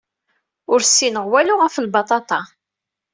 Ur ssineɣ walu ɣef lbaṭaṭa.